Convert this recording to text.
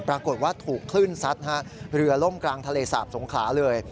ปรากฏว่าถูกคลื่นซัดฮะเรือล่มกลางทะเลสาบสงขลาเลย